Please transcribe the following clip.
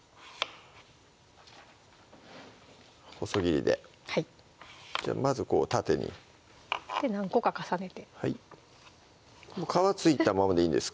細切りではいじゃあまずこう縦に何個か重ねて皮付いたままでいいんですか？